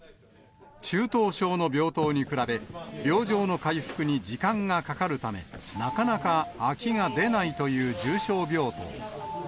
中等症の病棟に比べ、病状の回復に時間がかかるため、なかなか空きが出ないという重症病棟。